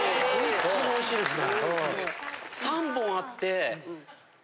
ほんとにおいしいですね。